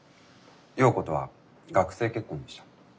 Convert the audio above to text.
耀子とは学生結婚でした。